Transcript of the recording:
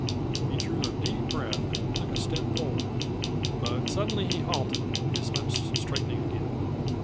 He drew a deep breath and took a step forward. But suddenly he halted, his lips straightening again.